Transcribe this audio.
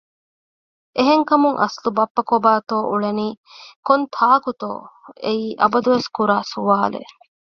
އެހެންކަމުން އަސްލު ބައްޕަ ކޮބައިތޯ އުޅެނީ ކޮންތާކުތޯ އެއީ އަބަދުވެސް ކުރާސުވާލެއް